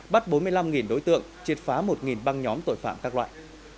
bắt bốn mươi năm đối tượng triệt phá một băng nhóm tội phạm các loại